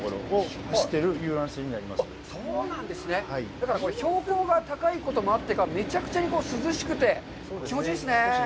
だから、標高が高いこともあってか、めちゃくちゃ涼しくて、気持ちいいですね。